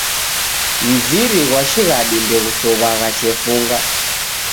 Mziri ghwa shighadi ndeghusow'agha chefunga.